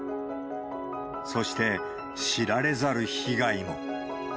そして、知られざる被害も。